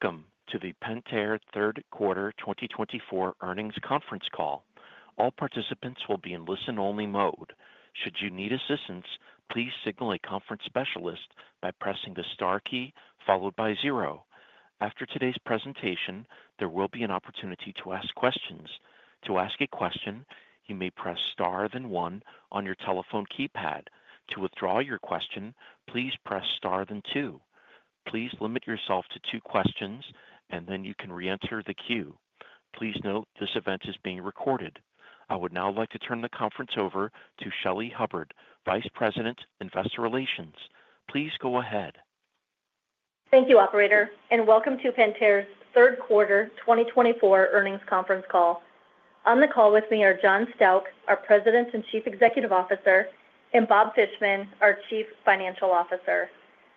Welcome to the Pentair third quarter 2024 earnings conference call. All participants will be in listen-only mode. Should you need assistance, please signal a conference specialist by pressing the star key followed by zero. After today's presentation, there will be an opportunity to ask questions. To ask a question, you may press star, then one on your telephone keypad. To withdraw your question, please press star, then two. Please limit yourself to two questions, and then you can reenter the queue. Please note, this event is being recorded. I would now like to turn the conference over to Shelly Hubbard, Vice President, Investor Relations. Please go ahead. Thank you, operator, and welcome to Pentair's third quarter 2024 earnings conference call. On the call with me are John Stauch, our President and Chief Executive Officer, and Bob Fishman, our Chief Financial Officer.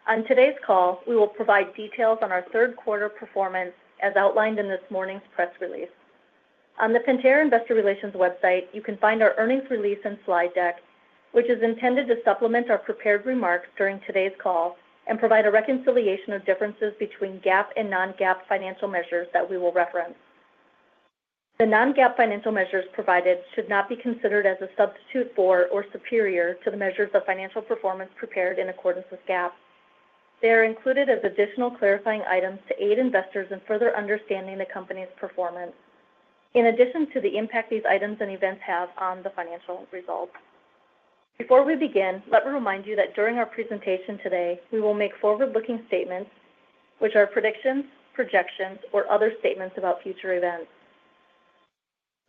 On today's call, we will provide details on our third quarter performance as outlined in this morning's press release. On the Pentair Investor Relations website, you can find our earnings release and slide deck, which is intended to supplement our prepared remarks during today's call and provide a reconciliation of differences between GAAP and non-GAAP financial measures that we will reference. The non-GAAP financial measures provided should not be considered as a substitute for or superior to the measures of financial performance prepared in accordance with GAAP. They are included as additional clarifying items to aid investors in further understanding the company's performance in addition to the impact these items and events have on the financial results. Before we begin, let me remind you that during our presentation today, we will make forward-looking statements, which are predictions, projections, or other statements about future events.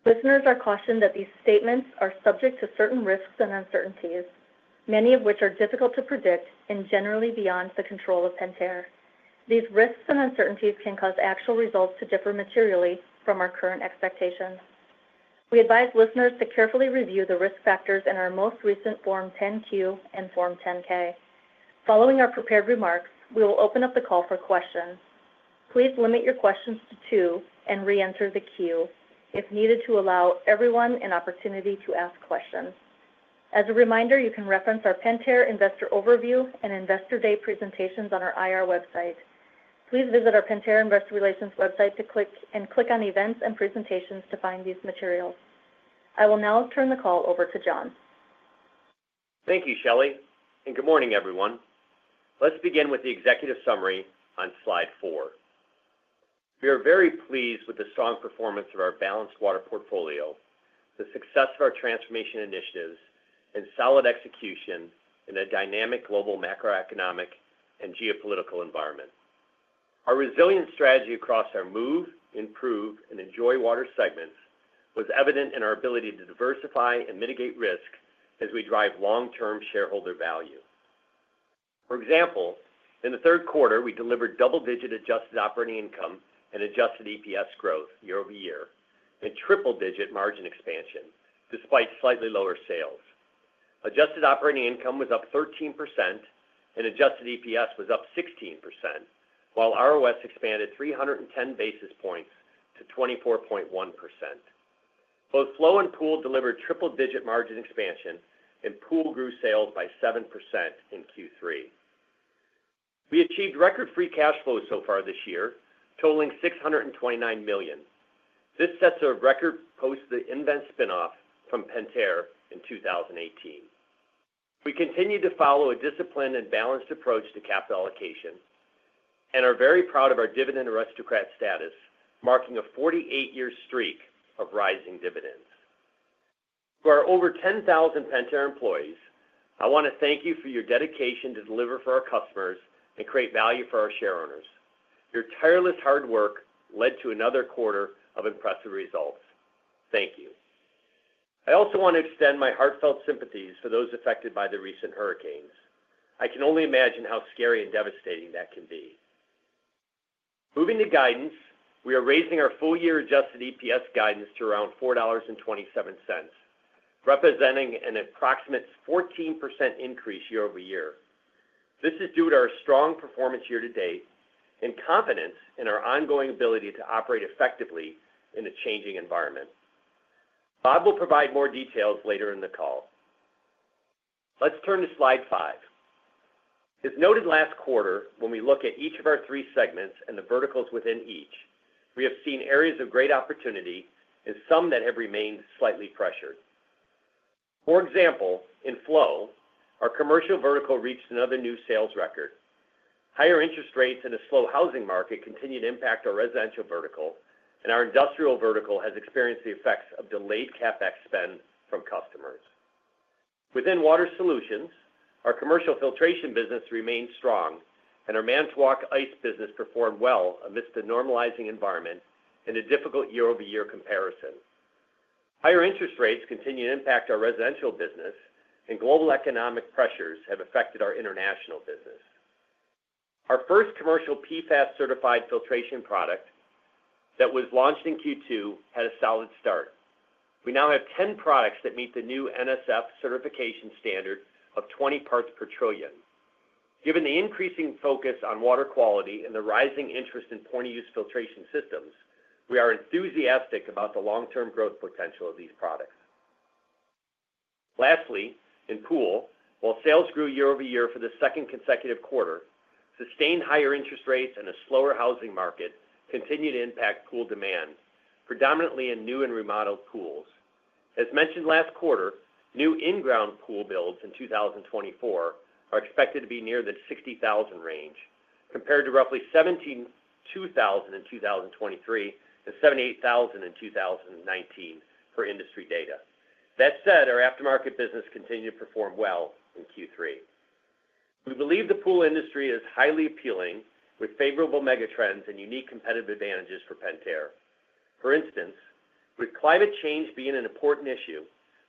Listeners are cautioned that these statements are subject to certain risks and uncertainties, many of which are difficult to predict and generally beyond the control of Pentair. These risks and uncertainties can cause actual results to differ materially from our current expectations. We advise listeners to carefully review the risk factors in our most recent Form 10-Q and Form 10-K. Following our prepared remarks, we will open up the call for questions. Please limit your questions to two and reenter the queue if needed to allow everyone an opportunity to ask questions. As a reminder, you can reference our Pentair Investor Overview and Investor Day presentations on our IR website. Please visit our Pentair Investor Relations website to click on Events and Presentations to find these materials. I will now turn the call over to John. Thank you, Shelly, and good morning, everyone. Let's begin with the executive summary on Slide 4. We are very pleased with the strong performance of our balanced water portfolio, the success of our transformation initiatives, and solid execution in a dynamic global macroeconomic and geopolitical environment. Our resilient strategy across our Move, Improve, and Enjoy water segments was evident in our ability to diversify and mitigate risk as we drive long-term shareholder value. For example, in the third quarter, we delivered double-digit adjusted operating income and adjusted EPS growth year-over-year and triple-digit margin expansion, despite slightly lower sales. Adjusted operating income was up 13% and adjusted EPS was up 16%, while ROS expanded three hundred and ten basis points to 24.1%. Both Flow and Pool delivered triple-digit margin expansion, and Pool grew sales by 7% in Q3. We achieved record free cash flow so far this year, totaling $629 million. This sets a record post the nVent spin-off from Pentair in 2018. We continue to follow a disciplined and balanced approach to capital allocation and are very proud of our Dividend Aristocrat status, marking a 48-year streak of rising dividends. For our over 10,000 Pentair employees, I want to thank you for your dedication to deliver for our customers and create value for our shareowners. Your tireless, hard work led to another quarter of impressive results. Thank you. I also want to extend my heartfelt sympathies to those affected by the recent hurricanes. I can only imagine how scary and devastating that can be. Moving to guidance, we are raising our full-year adjusted EPS guidance to around $4.27, representing an approximate 14% increase year-over-year. This is due to our strong performance year to date and confidence in our ongoing ability to operate effectively in a changing environment. Bob will provide more details later in the call. Let's turn to Slide 5. As noted last quarter, when we look at each of our three segments and the verticals within each, we have seen areas of great opportunity and some that have remained slightly pressured. For example, in Flow, our commercial vertical reached another new sales record. Higher interest rates and a slow housing market continue to impact our Residential vertical, and our industrial vertical has experienced the effects of delayed CapEx spend from customers. Within Water Solutions, our Commercial Filtration business remains strong, and our Manitowoc Ice business performed well amidst a normalizing environment and a difficult year-over-year comparison. Higher interest rates continue to impact our Residential business, and global economic pressures have affected our international business. Our first commercial PFAS-certified filtration product that was launched in Q2 had a solid start. We now have 10 products that meet the new NSF certification standard of 20 parts per trillion. Given the increasing focus on water quality and the rising interest in point-of-use filtration systems, we are enthusiastic about the long-term growth potential of these products. Lastly, in Pool, while sales grew year-over-year for the second consecutive quarter, sustained higher interest rates and a slower housing market continued to impact Pool demand, predominantly in new and remodeled pools. As mentioned last quarter, new in-ground pool builds in 2024 are expected to be near the 60,000 range, compared to roughly 72,000 in 2023 and 78,000 in 2019, per industry data. That said, our aftermarket business continued to perform well in Q3. We believe the pool industry is highly appealing, with favorable mega trends and unique competitive advantages for Pentair. For instance, with climate change being an important issue,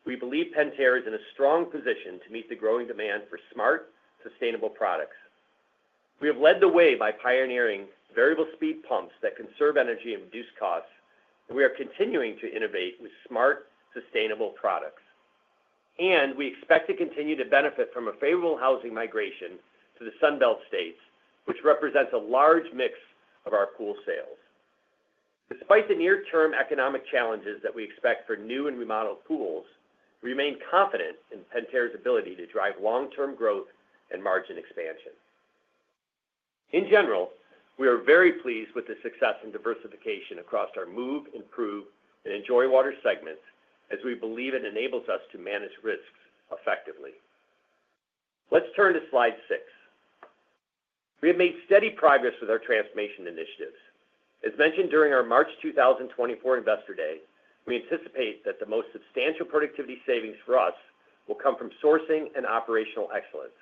we believe Pentair is in a strong position to meet the growing demand for smart, sustainable products. We have led the way by pioneering variable speed pumps that conserve energy and reduce costs, and we are continuing to innovate with smart, sustainable products. And we expect to continue to benefit from a favorable housing migration to the Sun Belt states, which represents a large mix of our Pool sales. Despite the near-term economic challenges that we expect for new and remodeled pools, we remain confident in Pentair's ability to drive long-term growth and margin expansion. In general, we are very pleased with the success and diversification across our Move, Improve, and Enjoy water segments, as we believe it enables us to manage risks effectively. Let's turn to Slide 6. We have made steady progress with our transformation initiatives. As mentioned during our March 2024 Investor Day, we anticipate that the most substantial productivity savings for us will come from sourcing and operational excellence.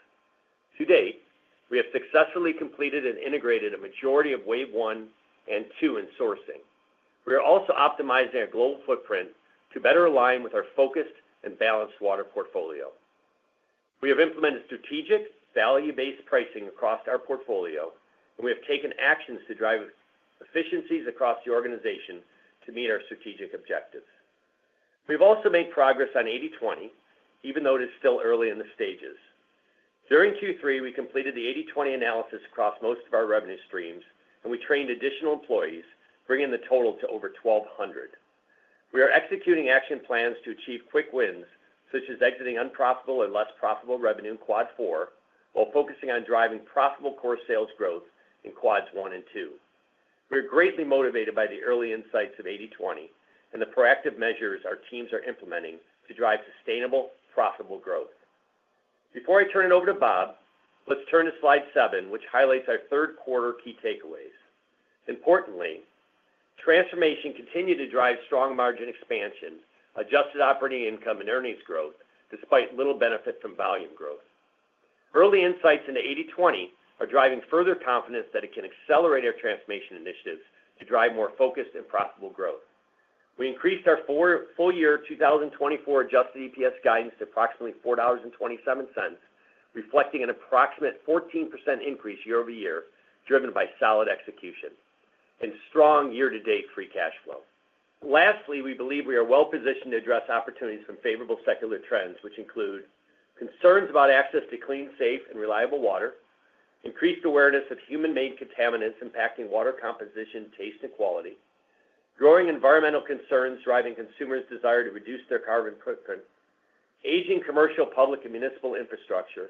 To date, we have successfully completed and integrated a majority of wave one and two in sourcing. We are also optimizing our global footprint to better align with our focused and balanced water portfolio. We have implemented strategic, value-based pricing across our portfolio, and we have taken actions to drive efficiencies across the organization to meet our strategic objectives. We've also made progress on 80/20, even though it is still early in the stages. During Q3, we completed the 80/20 analysis across most of our revenue streams, and we trained additional employees, bringing the total to over 1,200. We are executing action plans to achieve quick wins, such as exiting unprofitable or less profitable revenue in Quad 4, while focusing on driving profitable core sales growth in Quads 1 and 2. We are greatly motivated by the early insights of 80/20 and the proactive measures our teams are implementing to drive sustainable, profitable growth. Before I turn it over to Bob, let's turn to Slide 7, which highlights our third quarter key takeaways. Importantly, transformation continued to drive strong margin expansion, adjusted operating income and earnings growth, despite little benefit from volume growth. Early insights into 80/20 are driving further confidence that it can accelerate our transformation initiatives to drive more focused and profitable growth. We increased our full-year 2024 adjusted EPS guidance to approximately $4.27, reflecting an approximate 14% increase year-over-year, driven by solid execution and strong year-to-date free cash flow. Lastly, we believe we are well-positioned to address opportunities from favorable secular trends, which include concerns about access to clean, safe, and reliable water, increased awareness of human-made contaminants impacting water composition, taste, and quality, growing environmental concerns driving consumers' desire to reduce their carbon footprint, aging commercial, public, and municipal infrastructure,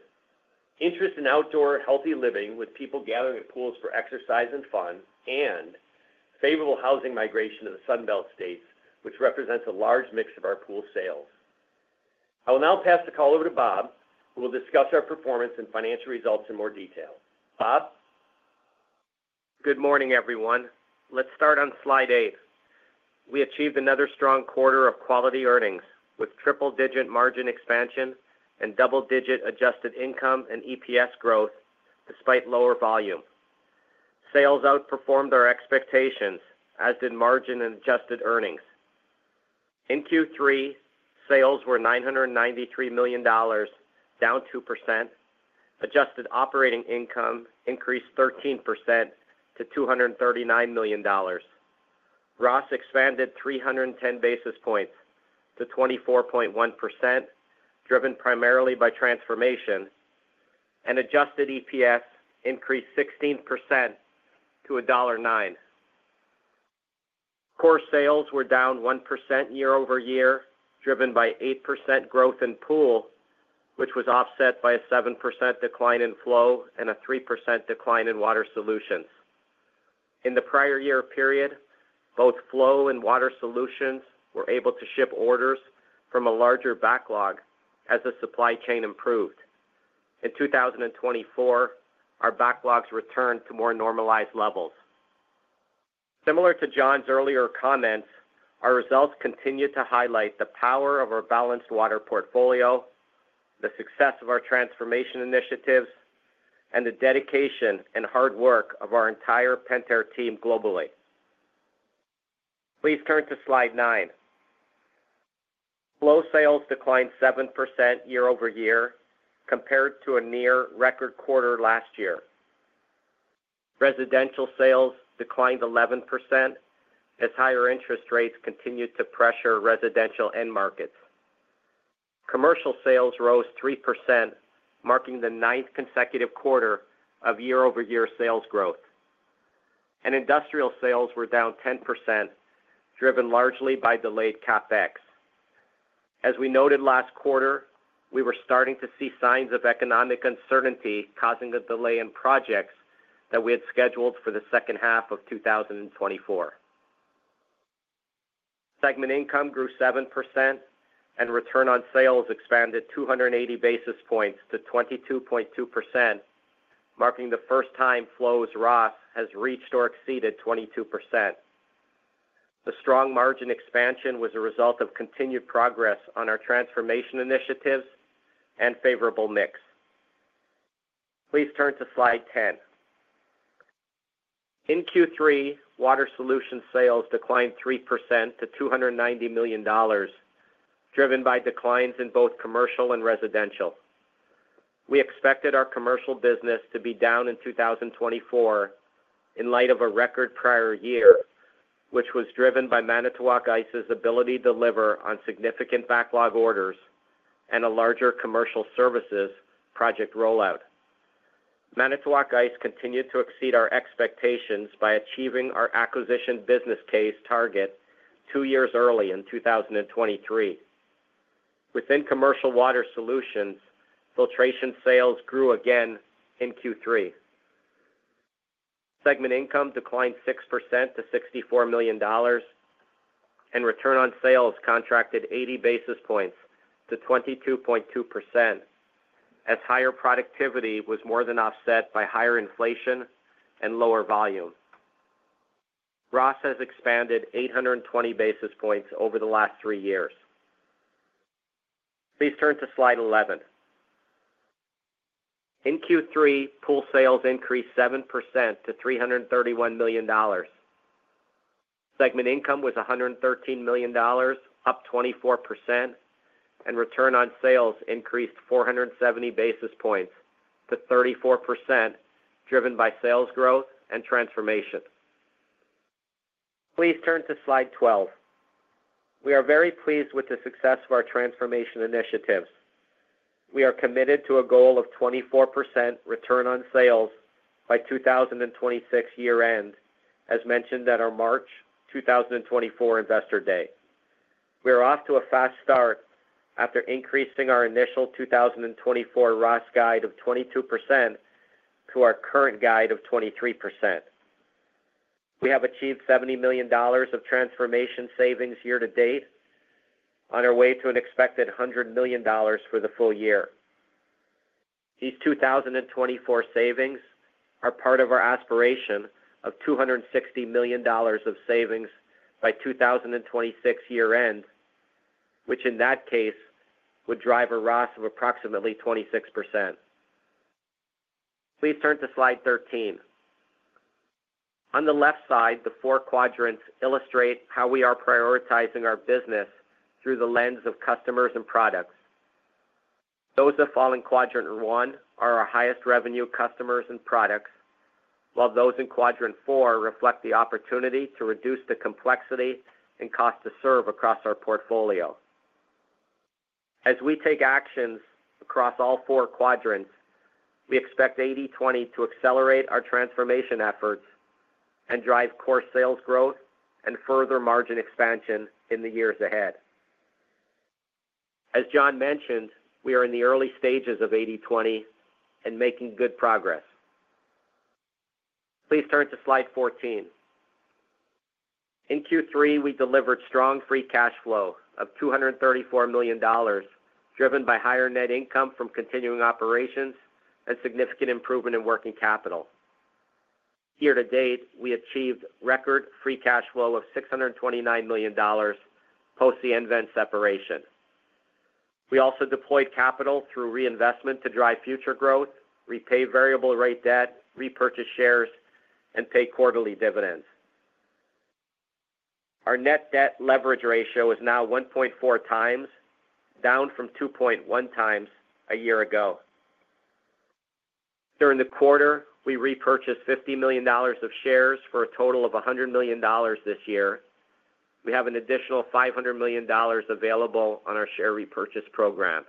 interest in outdoor healthy living, with people gathering at pools for exercise and fun, and favorable housing migration to the Sun Belt states, which represents a large mix of our Pool sales. I will now pass the call over to Bob, who will discuss our performance and financial results in more detail. Bob? Good morning, everyone. Let's start on Slide 8. We achieved another strong quarter of quality earnings, with triple-digit margin expansion and double-digit adjusted income and EPS growth, despite lower volume. Sales outperformed our expectations, as did margin and adjusted earnings. In Q3, sales were $993 million, down 2%. Adjusted operating income increased 13% to $239 million. ROS expanded 300 basis points to 24.1%, driven primarily by transformation, and adjusted EPS increased 16% to $1.09. Core sales were down 1% year-over-year, driven by 8% growth in Pool, which was offset by a 7% decline in Flow and a 3% decline in Water Solutions. In the prior year period, both Flow and Water Solutions were able to ship orders from a larger backlog as the supply chain improved. In 2024, our backlogs returned to more normalized levels. Similar to John's earlier comments, our results continue to highlight the power of our balanced water portfolio, the success of our transformation initiatives, and the dedication and hard work of our entire Pentair team globally. Please turn to Slide 9. Flow sales declined 7% year-over-year compared to a near record quarter last year. Residential sales declined 11%, as higher interest rates continued to pressure residential end markets. Commercial sales rose 3%, marking the ninth consecutive quarter of year-over-year sales growth.... and industrial sales were down 10%, driven largely by delayed CapEx. As we noted last quarter, we were starting to see signs of economic uncertainty causing a delay in projects that we had scheduled for the second half of 2024. Segment income grew 7% and return on sales expanded 280 basis points to 22.2%, marking the first time Flow's ROS has reached or exceeded 22.2%. The strong margin expansion was a result of continued progress on our transformation initiatives and favorable mix. Please turn to Slide 10. In Q3, Water Solutions sales declined 3% to $290 million, driven by declines in both Commercial and Residential. We expected our commercial business to be down in 2024 in light of a record prior year, which was driven by Manitowoc Ice's ability to deliver on significant backlog orders and a larger commercial services project rollout. Manitowoc Ice continued to exceed our expectations by achieving our acquisition business case target two years early in 2023. Within Commercial Water Solutions, filtration sales grew again in Q3. Segment income declined 6% to $64 million, and return on sales contracted 80 basis points to 22.2%, as higher productivity was more than offset by higher inflation and lower volume. ROS has expanded 820 basis points over the last three years. Please turn to Slide 11. In Q3, Pool sales increased 7% to $331 million. Segment income was $113 million, up 24%, and return on sales increased 470 basis points to 34%, driven by sales growth and transformation. Please turn to Slide 12. We are very pleased with the success of our transformation initiatives. We are committed to a goal of 24% return on sales by 2026 year-end, as mentioned at our March 2024 Investor Day. We are off to a fast start after increasing our initial 2024 ROS guide of 22% to our current guide of 23%. We have achieved $70 million of transformation savings year-to-date on our way to an expected $100 million for the full year. These 2024 savings are part of our aspiration of $260 million of savings by 2026 year-end, which in that case, would drive a ROS of approximately 26%. Please turn to Slide 13. On the left side, the four quadrants illustrate how we are prioritizing our business through the lens of customers and products. Those that fall in Quadrant 1 are our highest revenue customers and products, while those in Quadrant 4 reflect the opportunity to reduce the complexity and cost to serve across our portfolio. As we take actions across all four quadrants, we expect 80/20 to accelerate our transformation efforts and drive core sales growth and further margin expansion in the years ahead. As John mentioned, we are in the early stages of 80/20 and making good progress. Please turn to Slide 14. In Q3, we delivered strong free cash flow of $234 million, driven by higher net income from continuing operations and significant improvement in working capital. Year to date, we achieved record free cash flow of $629 million post the nVent separation. We also deployed capital through reinvestment to drive future growth, repay variable rate debt, repurchase shares, and pay quarterly dividends. Our net debt leverage ratio is now 1.4x, down from 2.1x a year ago. During the quarter, we repurchased $50 million of shares for a total of $100 million this year. We have an additional $500 million available on our share repurchase program.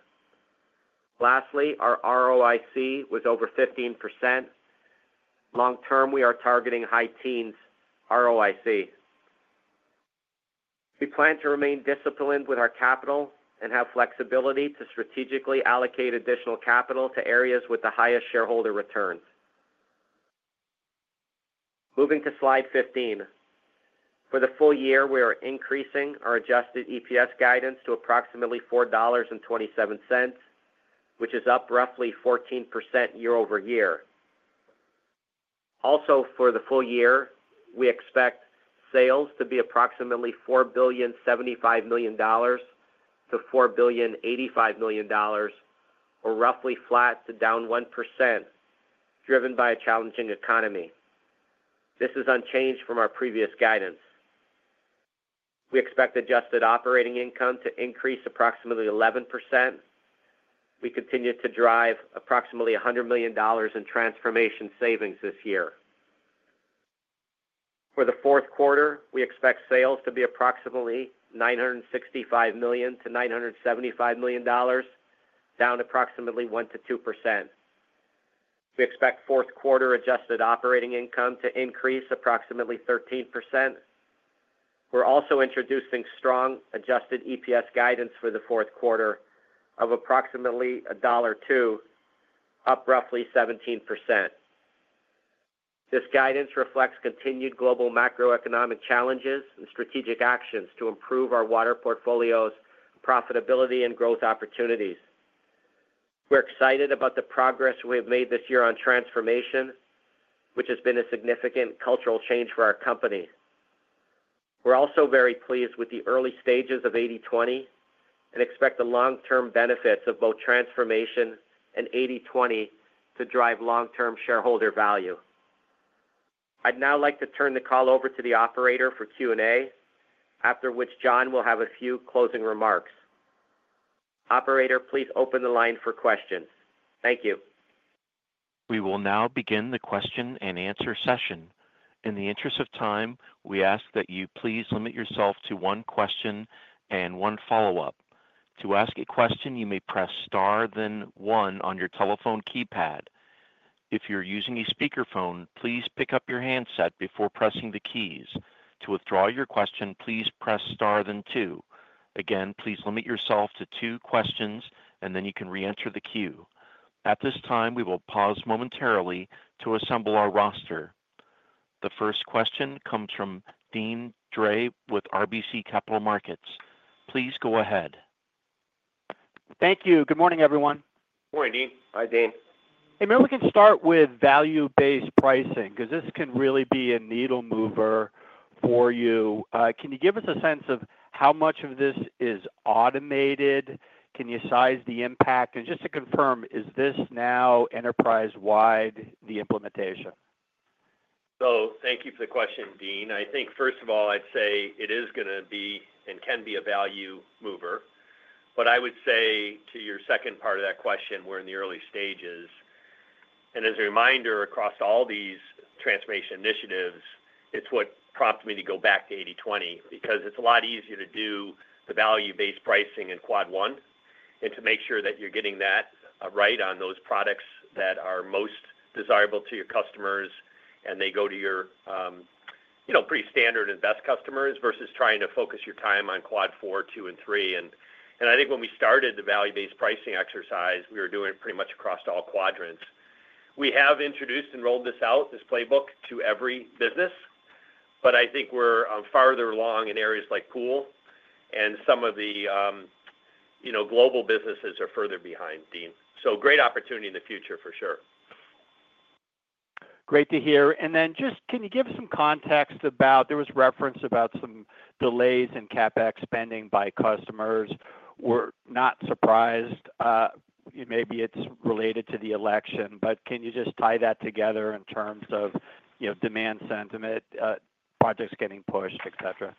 Lastly, our ROIC was over 15%. Long term, we are targeting high teens ROIC. We plan to remain disciplined with our capital and have flexibility to strategically allocate additional capital to areas with the highest shareholder returns. Moving to Slide 15. For the full year, we are increasing our adjusted EPS guidance to approximately $4.27, which is up roughly 14% year-over-year. Also, for the full year, we expect sales to be approximately $4,075,000,000-$4,085,000,000, or roughly flat to down 1%, driven by a challenging economy. This is unchanged from our previous guidance. We expect adjusted operating income to increase approximately 11%. We continue to drive approximately $100 million in transformation savings this year. For the fourth quarter, we expect sales to be approximately $965 million-$975 million, down approximately 1%-2%. We expect fourth quarter adjusted operating income to increase approximately 13%. We're also introducing strong adjusted EPS guidance for the fourth quarter of approximately $1.02, up roughly 17%. This guidance reflects continued global macroeconomic challenges and strategic actions to improve our water portfolio's profitability and growth opportunities. We're excited about the progress we have made this year on transformation, which has been a significant cultural change for our company. We're also very pleased with the early stages of 80/20, and expect the long-term benefits of both transformation and 80/20 to drive long-term shareholder value. I'd now like to turn the call over to the operator for Q&A, after which John will have a few closing remarks. Operator, please open the line for questions. Thank you. We will now begin the question-and-answer session. In the interest of time, we ask that you please limit yourself to one question and one follow-up. To ask a question, you may press star, then one on your telephone keypad. If you're using a speakerphone, please pick up your handset before pressing the keys. To withdraw your question, please press star then two. Again, please limit yourself to two questions, and then you can reenter the queue. At this time, we will pause momentarily to assemble our roster. The first question comes from Deane Dray with RBC Capital Markets. Please go ahead. Thank you. Good morning, everyone. Good morning, Deane. Hi, Deane. Hey, maybe we can start with value-based pricing, because this can really be a needle mover for you. Can you give us a sense of how much of this is automated? Can you size the impact? And just to confirm, is this now enterprise-wide, the implementation? So thank you for the question, Deane. I think, first of all, I'd say it is gonna be and can be a value mover. But I would say to your second part of that question, we're in the early stages. And as a reminder, across all these transformation initiatives, it's what prompted me to go back to 80/20, because it's a lot easier to do the value-based pricing in Quad 1, and to make sure that you're getting that right on those products that are most desirable to your customers, and they go to your, you know, pretty standard and best customers, versus trying to focus your time on Quad 4, 2, and 3. And I think when we started the value-based pricing exercise, we were doing it pretty much across all quadrants. We have introduced and rolled this out, this playbook, to every business, but I think we're farther along in areas like Pool, and some of the, you know, global businesses are further behind, Deane. So great opportunity in the future for sure. Great to hear. And then just, can you give us some context about, there was reference about some delays in CapEx spending by customers. We're not surprised, maybe it's related to the election, but can you just tie that together in terms of, you know, demand sentiment, projects getting pushed, et cetera?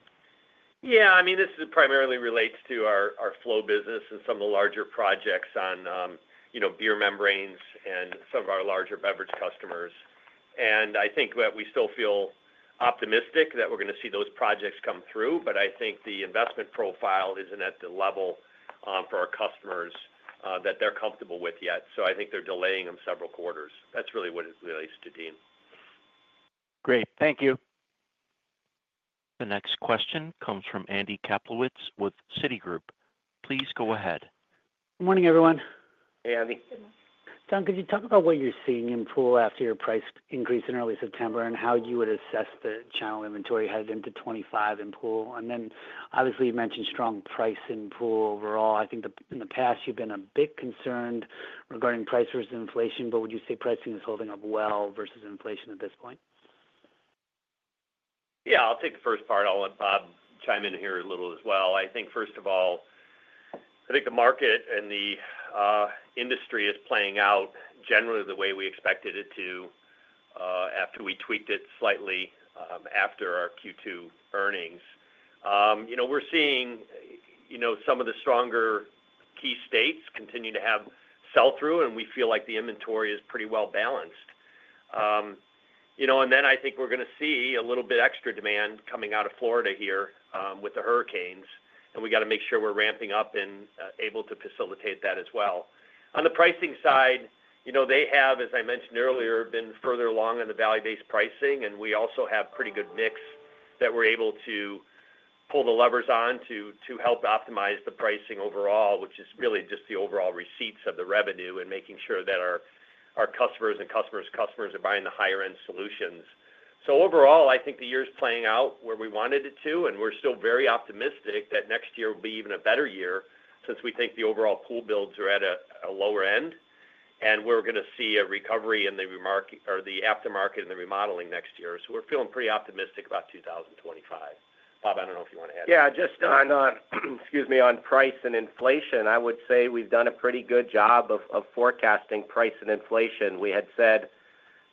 Yeah, I mean, this primarily relates to our Flow business and some of the larger projects on, you know, beer membranes and some of our larger beverage customers. And I think that we still feel optimistic that we're gonna see those projects come through, but I think the investment profile isn't at the level, for our customers, that they're comfortable with yet. So I think they're delaying them several quarters. That's really what it relates to, Deane. Great. Thank you. The next question comes from Andy Kaplowitz with Citigroup. Please go ahead. Good morning, everyone. Hey, Andy. Good morning. John, could you talk about what you're seeing in Pool after your price increase in early September, and how you would assess the channel inventory heading into 2025 in Pool? Then, obviously, you mentioned strong pricing in Pool overall. I think in the past you've been a bit concerned regarding pricing versus inflation, but would you say pricing is holding up well versus inflation at this point? Yeah, I'll take the first part. I'll let Bob chime in here a little as well. I think, first of all, I think the market and the industry is playing out generally the way we expected it to, after we tweaked it slightly, after our Q2 earnings. You know, we're seeing, you know, some of the stronger key states continue to have sell-through, and we feel like the inventory is pretty well balanced. You know, and then I think we're gonna see a little bit extra demand coming out of Florida here, with the hurricanes, and we got to make sure we're ramping up and, able to facilitate that as well. On the pricing side, you know, they have, as I mentioned earlier, been further along in the value-based pricing, and we also have pretty good mix that we're able to pull the levers on to, to help optimize the pricing overall, which is really just the overall receipts of the revenue and making sure that our, our customers and customers' customers are buying the higher-end solutions. So overall, I think the year is playing out where we wanted it to, and we're still very optimistic that next year will be even a better year since we think the overall pool builds are at a, a lower end, and we're gonna see a recovery in the remark, or the aftermarket and the remodeling next year. So we're feeling pretty optimistic about 2025. Bob, I don't know if you want to add? Yeah, just on, excuse me, on price and inflation, I would say we've done a pretty good job of forecasting price and inflation. We had said,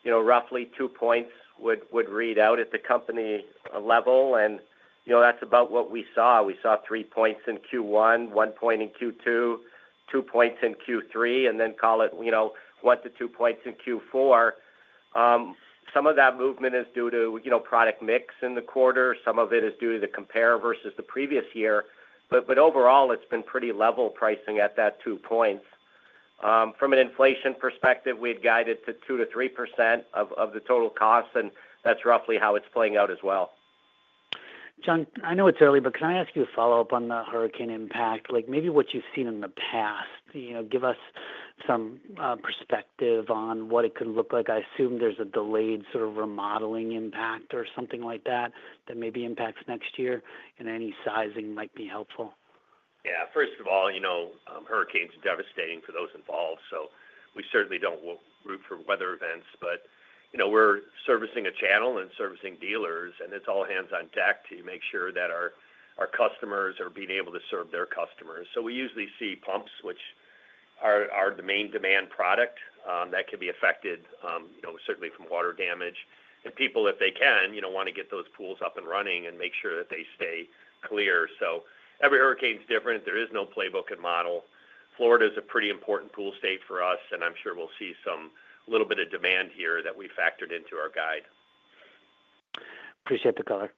you know, roughly two points would read out at the company level, and, you know, that's about what we saw. We saw three points in Q1, one point in Q2, two points in Q3, and then call it, you know, one to two points in Q4. Some of that movement is due to, you know, product mix in the quarter. Some of it is due to the compare versus the previous year. But overall, it's been pretty level pricing at that two points. From an inflation perspective, we had guided to 2%-3% of the total cost, and that's roughly how it's playing out as well. John, I know it's early, but can I ask you a follow-up on the hurricane impact? Like, maybe what you've seen in the past. You know, give us some perspective on what it could look like. I assume there's a delayed sort of remodeling impact or something like that, that maybe impacts next year, and any sizing might be helpful. Yeah, first of all, you know, hurricanes are devastating for those involved, so we certainly don't root for weather events. But, you know, we're servicing a channel and servicing dealers, and it's all hands on deck to make sure that our customers are being able to serve their customers. So we usually see pumps, which are the main demand product, that could be affected, you know, certainly from water damage. And people, if they can, you know, want to get those pools up and running and make sure that they stay clear. So every hurricane is different. There is no playbook and model. Florida is a pretty important pool state for us, and I'm sure we'll see some, a little bit of demand here that we factored into our guide. Appreciate the color.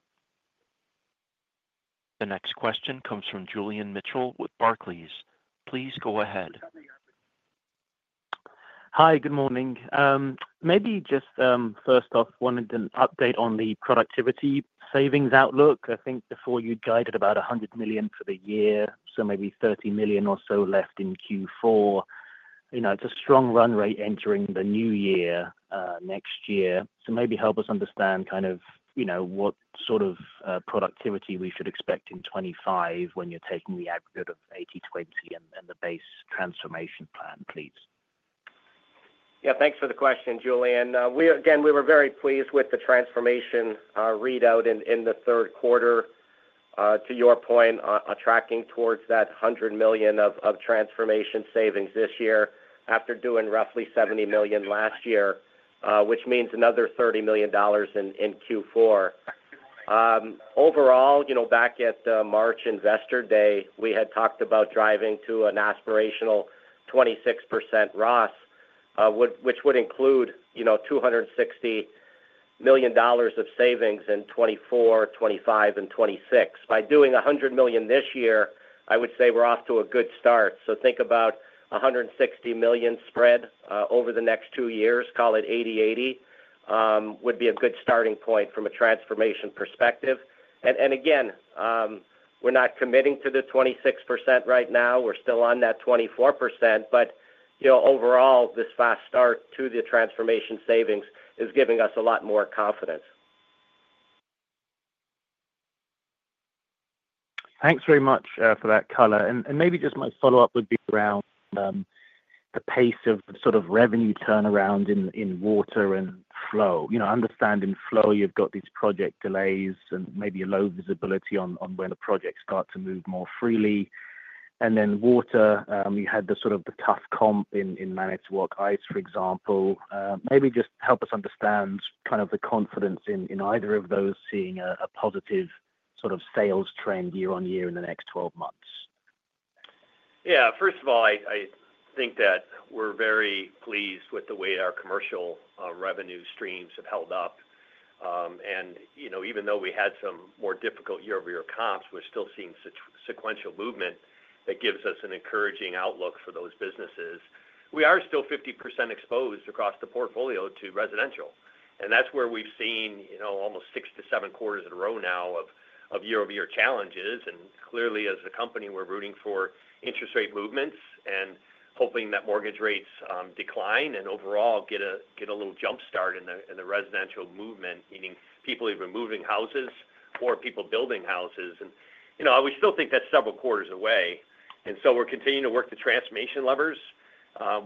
The next question comes from Julian Mitchell with Barclays. Please go ahead. Hi, good morning. Maybe just first off, wanted an update on the productivity savings outlook. I think before you guided about $100 million for the year, so maybe $30 million or so left in Q4. You know, it's a strong run rate entering the new year, next year. So maybe help us understand kind of, you know, what sort of productivity we should expect in 2025 when you're taking the aggregate of 80/20 and the base transformation plan, please. Yeah, thanks for the question, Julian. Again, we were very pleased with the transformation readout in the third quarter. To your point, on tracking towards that $100 million of transformation savings this year after doing roughly $70 million last year, which means another $30 million in Q4. Overall, you know, back at the March Investor Day, we had talked about driving to an aspirational 26% ROS, which would include, you know, $260 million of savings in 2024, 2025 and 2026. By doing a $100 million this year, I would say we're off to a good start. So think about a $160 million spread over the next two years, call it 80/80, would be a good starting point from a transformation perspective. We're not committing to the 26% right now. We're still on that 24%, but, you know, overall, this fast start to the transformation savings is giving us a lot more confidence. Thanks very much for that color. And maybe just my follow-up would be around the pace of the sort of revenue turnaround in Water and Flow. You know, understanding Flow, you've got these project delays and maybe a low visibility on when the projects start to move more freely, and then water, you had the sort of tough comp in Manitowoc Ice, for example. Maybe just help us understand kind of the confidence in either of those seeing a positive sort of sales trend year on year in the next twelve months. Yeah, first of all, I think that we're very pleased with the way our commercial revenue streams have held up. And, you know, even though we had some more difficult year-over-year comps, we're still seeing sequential movement that gives us an encouraging outlook for those businesses. We are still 50% exposed across the portfolio to residential, and that's where we've seen, you know, almost six to seven quarters in a row now of year-over-year challenges. Clearly, as a company, we're rooting for interest rate movements and hoping that mortgage rates decline and overall get a little jump start in the residential movement, meaning people either moving houses or people building houses. You know, we still think that's several quarters away, and so we're continuing to work the transformation levers.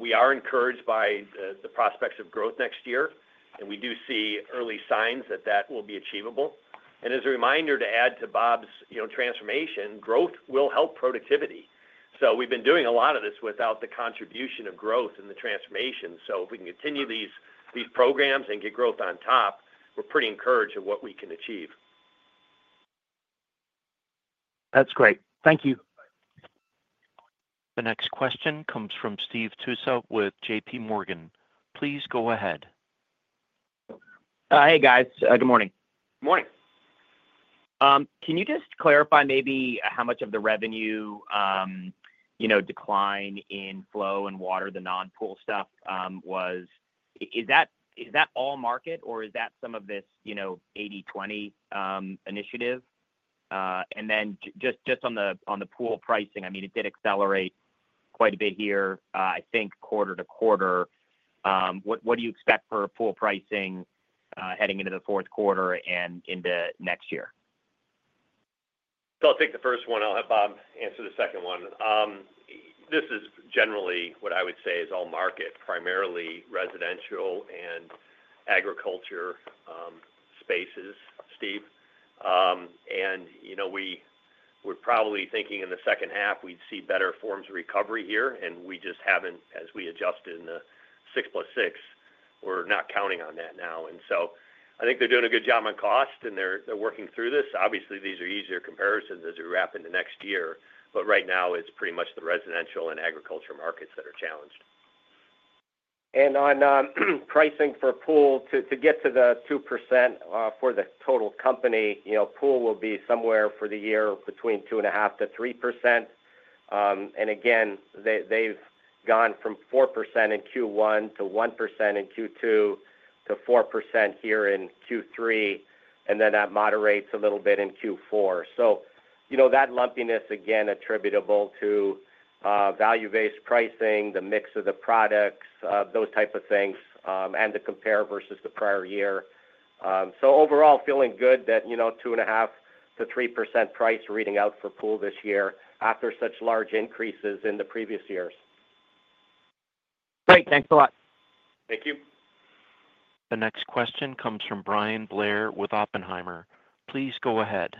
We are encouraged by the prospects of growth next year, and we do see early signs that will be achievable. As a reminder to add to Bob's, you know, transformation, growth will help productivity. We've been doing a lot of this without the contribution of growth in the transformation. If we can continue these programs and get growth on top, we're pretty encouraged of what we can achieve. That's great. Thank you. The next question comes from Steve Tusa with JPMorgan. Please go ahead. Hey, guys. Good morning. Morning. Can you just clarify maybe how much of the revenue, you know, decline in Flow and Water, the non-pool stuff, was? Is that all market or is that some of this, you know, 80/20 initiative? And then just on the pool pricing, I mean, it did accelerate quite a bit here, I think quarter to quarter. What do you expect for pool pricing, heading into the fourth quarter and into next year? So I'll take the first one. I'll have Bob answer the second one. This is generally what I would say is all market, primarily residential and agriculture, spaces, Steve. And, you know, we were probably thinking in the second half, we'd see better forms of recovery here, and we just haven't, as we adjusted in the 6+6, we're not counting on that now. And so, I think they're doing a good job on cost, and they're working through this. Obviously, these are easier comparisons as we wrap into next year, but right now it's pretty much the residential and agricultural markets that are challenged. And on pricing for Pool, to get to the 2%, for the total company, you know, Pool will be somewhere for the year between 2.5% and 3%. And again, they've gone from 4% in Q1 to 1% in Q2, to 4% here in Q3, and then that moderates a little bit in Q4. So, you know, that lumpiness, again, attributable to value-based pricing, the mix of the products, those type of things, and the compare versus the prior year. So overall, feeling good that, you know, 2.5%-3% price reading out for Pool this year after such large increases in the previous years. Great. Thanks a lot. Thank you. The next question comes from Bryan Blair with Oppenheimer. Please go ahead.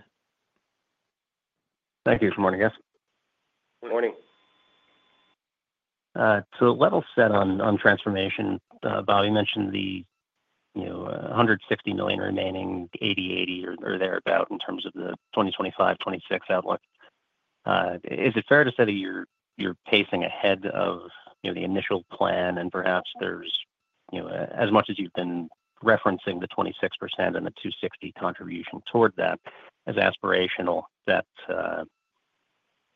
Thank you. Good morning, guys. Good morning. So level set on transformation. Bob, you mentioned the, you know, $160 million remaining, $80 or thereabout, in terms of the 2025, 2026 outlook. Is it fair to say that you're pacing ahead of, you know, the initial plan, and perhaps there's, you know, as much as you've been referencing the 26% and the $260 million contribution toward that as aspirational, that,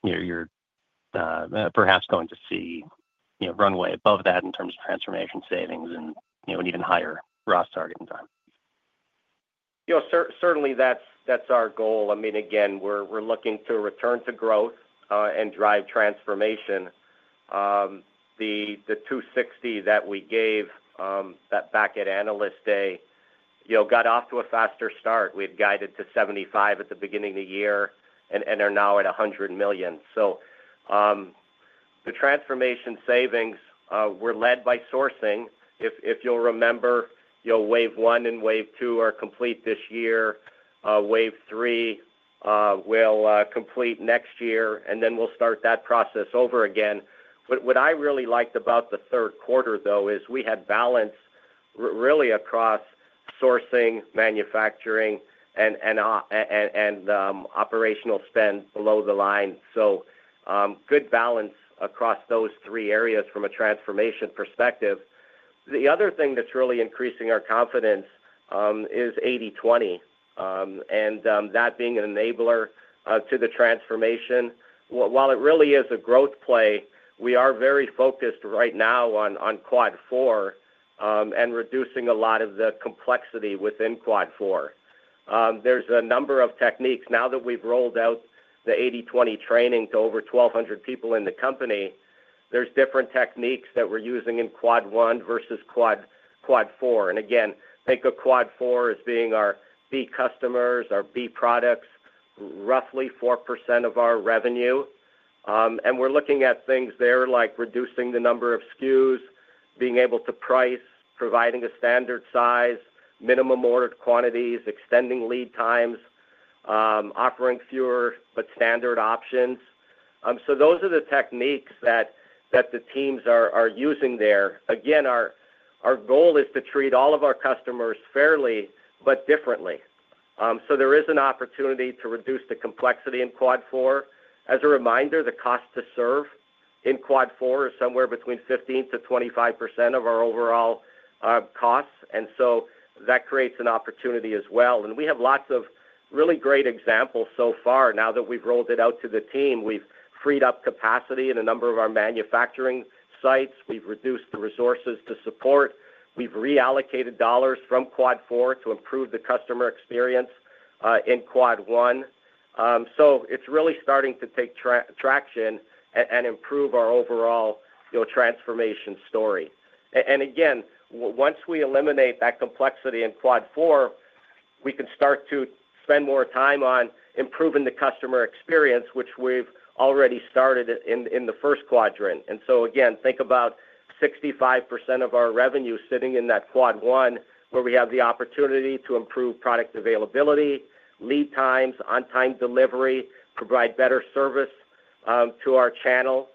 you know, you're perhaps going to see, you know, runway above that in terms of transformation savings and, you know, an even higher ROS target in time? You know, certainly that's, that's our goal. I mean, again, we're, we're looking to return to growth, and drive transformation. The $260 million that we gave, that back at Analyst Day, you know, got off to a faster start. We've guided to $75 million at the beginning of the year and are now at $100 million. So, the transformation savings were led by sourcing. If you'll remember, you know, Wave 1 and Wave 2 are complete this year. Wave 3 will complete next year, and then we'll start that process over again. But what I really liked about the third quarter, though, is we had balance really across sourcing, manufacturing, and operational spend below the line. So, good balance across those three areas from a transformation perspective. The other thing that's really increasing our confidence is 80/20 and that being an enabler to the transformation. While it really is a growth play, we are very focused right now on Quad 4 and reducing a lot of the complexity within Quad 4. There's a number of techniques. Now that we've rolled out the 80/20 training to over 1,200 people in the company, there's different techniques that we're using in Quad 1 versus Quad 4. And again, think of Quad 4 as being our B customers, our B products, roughly 4% of our revenue. And we're looking at things there like reducing the number of SKUs, being able to price, providing a standard size, minimum ordered quantities, extending lead times, offering fewer but standard options. So those are the techniques that the teams are using there. Again, our goal is to treat all of our customers fairly but differently. So there is an opportunity to reduce the complexity in Quad 4. As a reminder, the cost to serve in Quad 4 is somewhere between 15%-25% of our overall costs, and so that creates an opportunity as well, and we have lots of really great examples so far now that we've rolled it out to the team. We've freed up capacity in a number of our manufacturing sites, we've reduced the resources to support, we've reallocated dollars from Quad 4 to improve the customer experience in Quad 1. So it's really starting to take traction and improve our overall, you know, transformation story. And again, once we eliminate that complexity in Quad 4, we can start to spend more time on improving the customer experience, which we've already started in the first quadrant. And so again, think about 65% of our revenue sitting in that Quad 1, where we have the opportunity to improve product availability, lead times, on-time delivery, provide better service to our channel,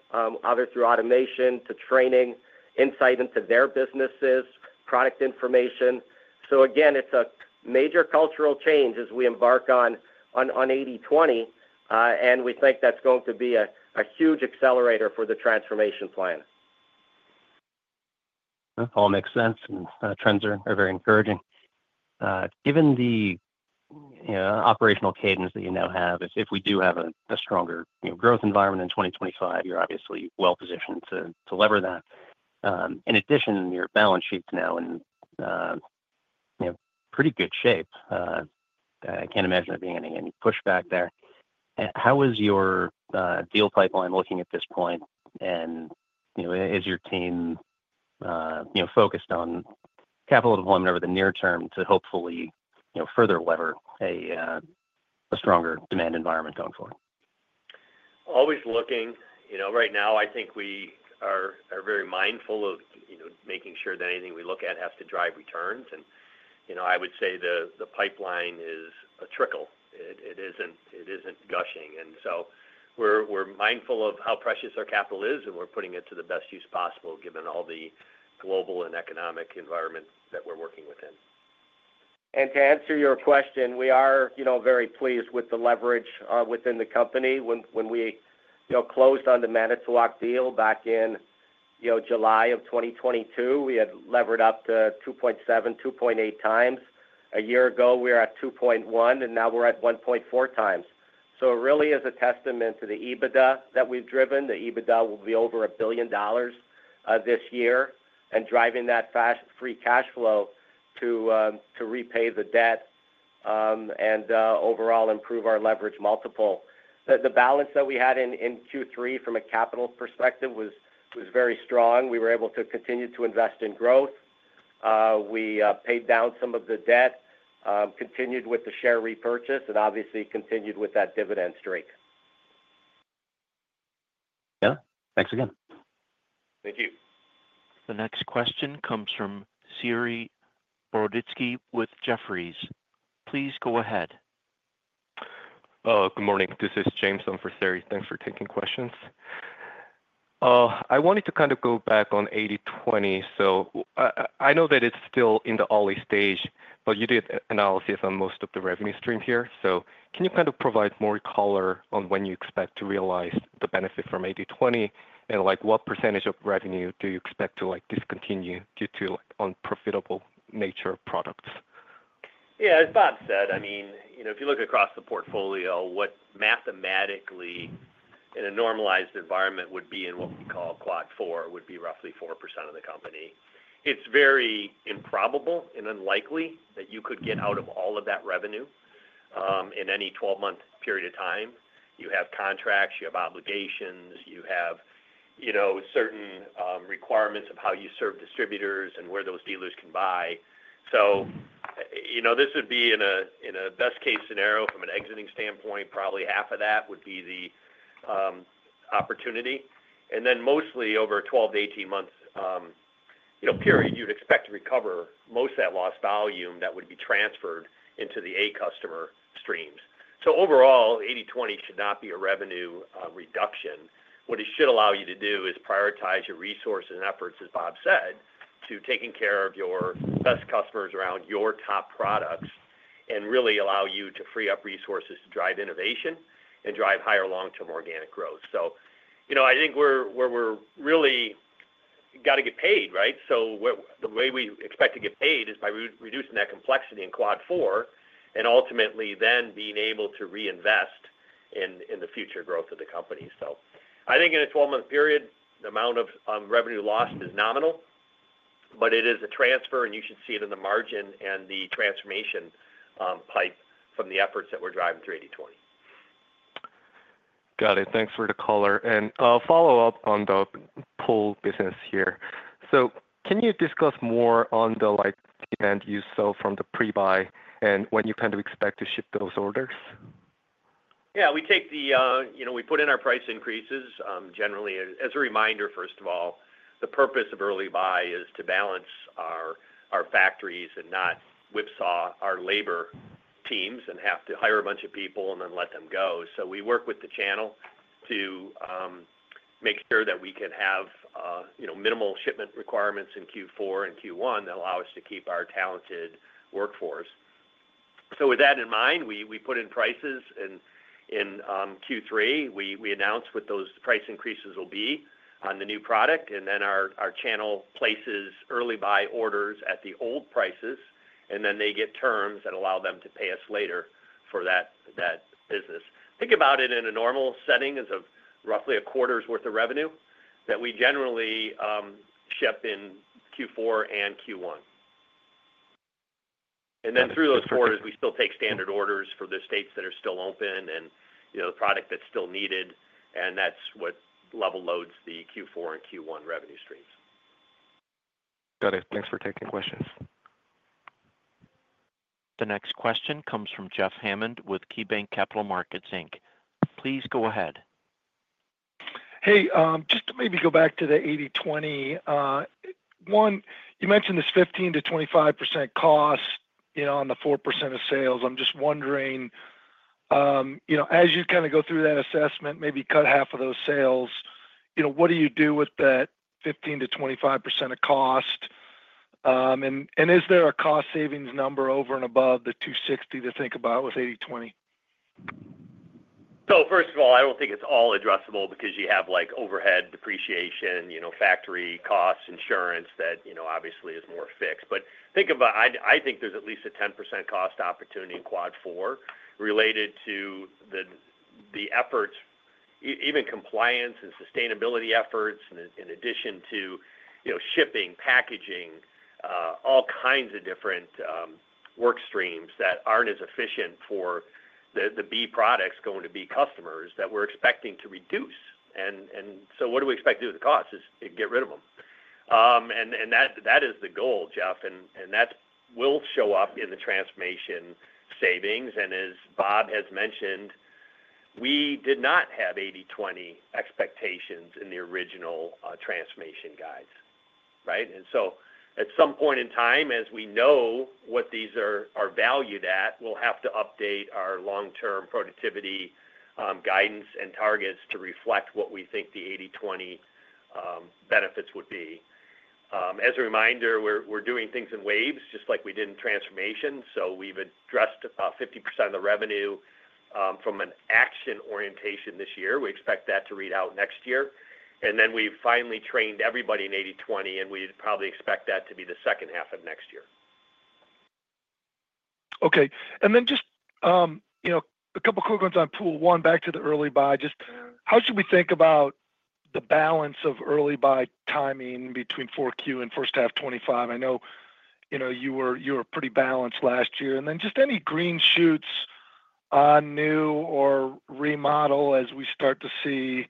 either through automation, to training, insight into their businesses, product information. So again, it's a major cultural change as we embark on 80/20, and we think that's going to be a huge accelerator for the transformation plan. That all makes sense, and trends are very encouraging. Given the operational cadence that you now have, if we do have a stronger, you know, growth environment in 2025, you're obviously well positioned to lever that. In addition, your balance sheet is now in, you know, pretty good shape. I can't imagine there being any pushback there. How is your deal pipeline looking at this point? And, you know, is your team focused on capital deployment over the near term to hopefully, you know, further lever a stronger demand environment going forward? Always looking. You know, right now I think we are very mindful of, you know, making sure that anything we look at has to drive returns. And you know, I would say the pipeline is a trickle. It isn't gushing. And so we're mindful of how precious our capital is, and we're putting it to the best use possible, given all the global and economic environment that we're working within. To answer your question, we are, you know, very pleased with the leverage within the company. When we, you know, closed on the Manitowoc deal back in, you know, July of 2022, we had levered up to 2.7x-2.8x. A year ago, we were at 2.1x, and now we're at 1.4x. So it really is a testament to the EBITDA that we've driven. The EBITDA will be over $1 billion this year, and driving that fast free cash flow to repay the debt and overall improve our leverage multiple. The balance that we had in Q3 from a capital perspective was very strong. We were able to continue to invest in growth. We paid down some of the debt, continued with the share repurchase, and obviously continued with that dividend streak. Yeah. Thanks again. Thank you. The next question comes from Saree Boroditsky with Jefferies. Please go ahead. Good morning. This is James in for Saree. Thanks for taking questions. I wanted to kind of go back on 80/20. So I know that it's still in the early stage, but you did analysis on most of the revenue stream here. So can you kind of provide more color on when you expect to realize the benefit from 80/20? And, like, what percentage of revenue do you expect to, like, discontinue due to unprofitable nature of products? Yeah, as Bob said, I mean, you know, if you look across the portfolio, what mathematically in a normalized environment would be in what we call Quad 4, would be roughly 4% of the company. It's very improbable and unlikely that you could get out of all of that revenue in any 12-month period of time. You have contracts, you have obligations, you have, you know, certain requirements of how you serve distributors and where those dealers can buy. So, you know, this would be in a best case scenario from an exiting standpoint, probably half of that would be the opportunity. And then mostly over a 12-18 month period, you'd expect to recover most of that lost volume that would be transferred into the A customer streams. So overall, 80/20 should not be a revenue reduction. What it should allow you to do is prioritize your resources and efforts, as Bob said, to taking care of your best customers around your top products, and really allow you to free up resources to drive innovation and drive higher long-term organic growth. So, you know, I think we're really got to get paid, right? So the way we expect to get paid is by re-reducing that complexity in Quad 4, and ultimately then being able to reinvest in the future growth of the company. So I think in a twelve-month period, the amount of revenue lost is nominal, but it is a transfer, and you should see it in the margin and the transformation pipeline from the efforts that we're driving through 80/20. Got it. Thanks for the color. And, follow-up on the Pool business here. So can you discuss more on the, like, demand you saw from the pre-buy and when you kind of expect to ship those orders? Yeah, we take the, you know, we put in our price increases, generally, as a reminder, first of all, the purpose of Early Buy is to balance our factories and not whipsaw our labor teams and have to hire a bunch of people and then let them go. So we work with the channel to make sure that we can have, you know, minimal shipment requirements in Q4 and Q1 that allow us to keep our talented workforce. So with that in mind, we put in prices in Q3. We announced what those price increases will be on the new product, and then our channel places Early Buy orders at the old prices, and then they get terms that allow them to pay us later for that business. Think about it in a normal setting as of roughly a quarter's worth of revenue that we generally ship in Q4 and Q1, and then through those quarters, we still take standard orders for the states that are still open and, you know, the product that's still needed, and that's what level loads the Q4 and Q1 revenue streams. Got it. Thanks for taking questions. The next question comes from Jeff Hammond with KeyBanc Capital Markets Inc. Please go ahead. Hey, just to maybe go back to the 80/20. One, you mentioned this 15%-25% cost, you know, on the 4% of sales. I'm just wondering, you know, as you kind of go through that assessment, maybe cut half of those sales, you know, what do you do with that 15%-25% of cost? And, is there a cost savings number over and above the $260 million to think about with 80/20? So first of all, I don't think it's all addressable because you have, like, overhead depreciation, you know, factory costs, insurance that, you know, obviously is more fixed, but think about it, I think there's at least a 10% cost opportunity in Quad 4 related to the efforts, even compliance and sustainability efforts, in addition to, you know, shipping, packaging, all kinds of different work streams that aren't as efficient for the B products going to B customers that we're expecting to reduce, and so what do we expect to do with the costs? Is get rid of them, and that is the goal, Jeff, and that will show up in the transformation savings, and as Bob has mentioned. We did not have 80/20 expectations in the original transformation guides, right? And so at some point in time, as we know what these are valued at, we'll have to update our long-term productivity guidance and targets to reflect what we think the 80/20 benefits would be. As a reminder, we're doing things in waves, just like we did in transformation. So we've addressed about 50% of the revenue from an action orientation this year. We expect that to read out next year. And then we've finally trained everybody in 80/20, and we'd probably expect that to be the second half of next year. Okay. And then just, you know, a couple quick ones on Pool, back to the Early Buy. Just how should we think about the balance of Early Buy timing between 4Q and first half 2025? I know, you know, you were pretty balanced last year. And then just any green shoots on new or remodel as we start to see,